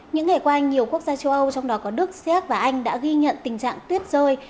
những ngày qua nhiều quốc gia châu âu trong đó có đức xét và anh đã ghi nhận tình trạng tuyết rơi